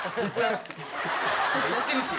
いってるし。